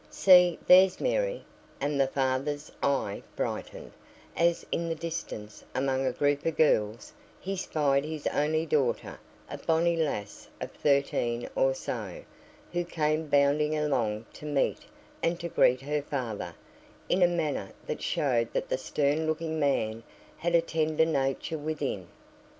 See, there's Mary!" and the father's eye brightened, as in the distance, among a group of girls, he spied his only daughter, a bonny lassie of thirteen or so, who came bounding along to meet and to greet her father, in a manner which showed that the stern looking man had a tender nature within.